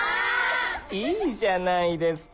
いいじゃないですか